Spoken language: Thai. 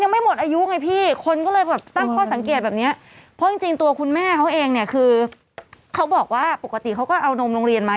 แม่บอกหนูจะออกจากข่าวนี้ยังไงดี